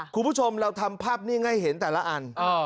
คุณผู้ชมเราทำภาพนิ่งให้เห็นแต่ละอัน